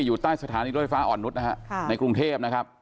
อยู่ใต้สถานีรถไฟฟ้าอ่อนนุษย์นะฮะในกรุงเทพนะครับ